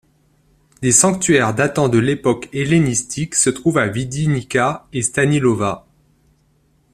Des sanctuaires datant de l’époque hellénistique se trouvent à Vidinica et Stanilova.